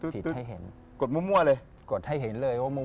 ทั้งที่ขึ้นเออเรอร์